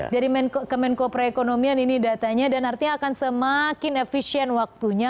dari kemenko perekonomian ini datanya dan artinya akan semakin efisien waktunya